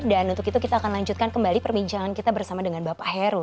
dan untuk itu kita akan lanjutkan kembali perbincangan kita bersama dengan bapak heru